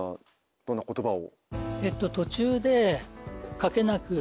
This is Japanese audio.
どんな言葉を？